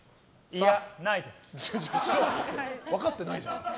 いや、分かってないじゃん！